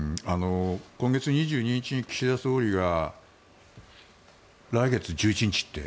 今月２２日に岸田総理が来月１１日って。